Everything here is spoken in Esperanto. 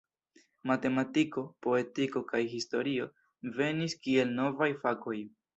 Matematiko, poetiko kaj historio venis kiel novaj fakoj.